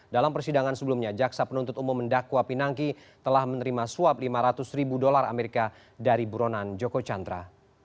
dalam persidangan sebelumnya jaksa penuntut umum mendakwa pinangki telah menerima suap lima ratus ribu dolar amerika dari buronan joko chandra